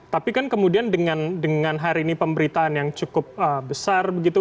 tapi kan kemudian dengan hari ini pemberitaan yang cukup besar begitu